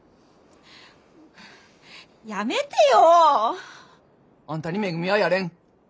やめてよ！あんたにめぐみはやれん。